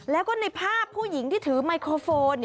แล้วก็ในภาพผู้หญิงที่ถือไมโครโฟน